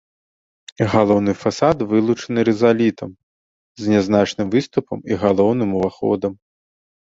Галоўны фасад вылучаны рызалітам з нязначным выступам і галоўным уваходам.